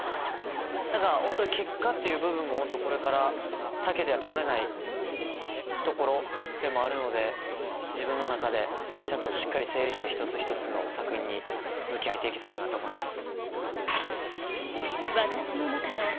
何か本当に結果っていう部分もこれから避けては通れないところでもあるので自分の中でしっかり整理して一つ一つの作品に向き合えて行けたらなと思います。